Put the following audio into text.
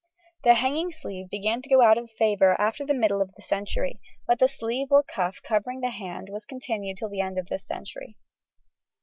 The hanging sleeve began to go out of favour after the middle of the century, but the sleeve or cuff covering the hand was continued till the end of this century.